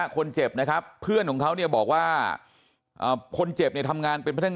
คนเจ็บนะครับเพื่อนของเขาเนี่ยบอกว่าคนเจ็บทำงานเป็น